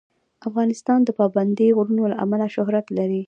افغانستان د پابندی غرونه له امله شهرت لري.